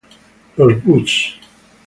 Los Buzz!